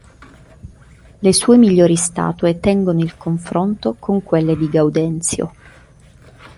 Le sue migliori statue tengono il confronto con quelle di Gaudenzio.